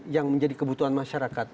yang menjadi kebutuhan masyarakat